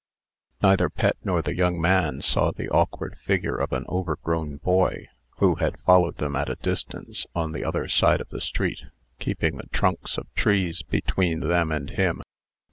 Neither Pet nor the young man saw the awkward figure of an overgrown boy, who had followed them at a distance, on the other side of the street, keeping the trunks of trees between them and him.